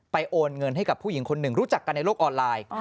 โอนเงินให้กับผู้หญิงคนหนึ่งรู้จักกันในโลกออนไลน์